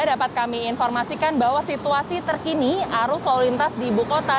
dapat kami informasikan bahwa situasi terkini arus lalu lintas di ibu kota